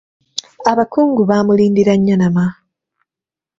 Abakungu baamulindira Nnyanama.